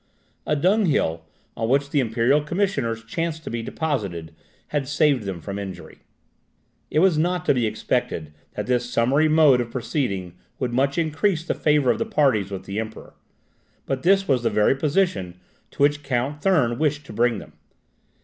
A dunghill, on which the imperial commissioners chanced to be deposited, had saved them from injury. It was not to be expected that this summary mode of proceeding would much increase the favour of the parties with the Emperor, but this was the very position to which Count Thurn wished to bring them.